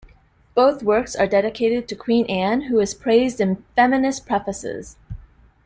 Both works are dedicated to Queen Anne, who is praised in feminist prefaces.